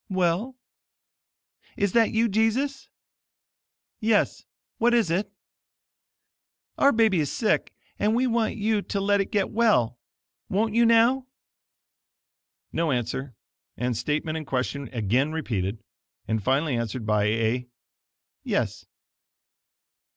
"Well?" "Is that you, Jesus?" "Yes. What is it?" "Our baby is sick, and we want you to let it get well. Won't you, now?" No answer, and statement and question again repeated, and finally answered by a "Yes."